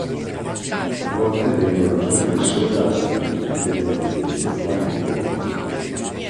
A volte vengono aggiunte sole arachidi, ed eventualmente, latte in polvere.